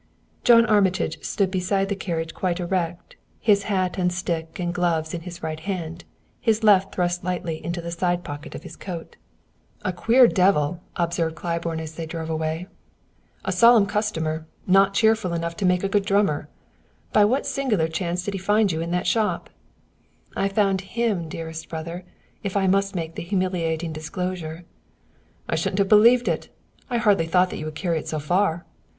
John Armitage stood beside the carriage quite erect, his hat and stick and gloves in his right hand, his left thrust lightly into the side pocket of his coat. "A queer devil," observed Claiborne, as they drove away. "A solemn customer, and not cheerful enough to make a good drummer. By what singular chance did he find you in that shop?" "I found him, dearest brother, if I must make the humiliating disclosure." "I shouldn't have believed it! I hardly thought you would carry it so far."